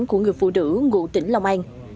của người phụ nữ ngụ tỉnh long an